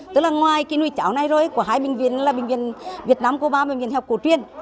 tức là ngoài cái nuôi cháo này rồi của hai bệnh viện là bệnh viện việt nam cuba và bệnh viện học cổ truyền